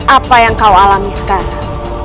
apa yang kau alami sekarang